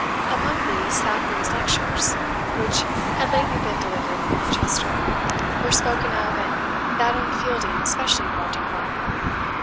Among these Thackeray's Lectures (which had lately been delivered in Manchester) were spoken of and that on Fielding especially dwelt upon.